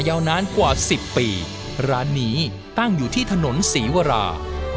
ยาวนานกว่าสิบปีร้านนี้ตั้งอยู่ที่ถนนศรีวรา